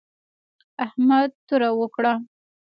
احمد توره وکړه